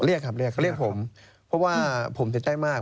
เรียกครับเรียกผมเพราะว่าผมเสียใจมาก